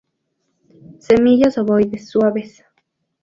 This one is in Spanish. Semillas ovoides, suaves.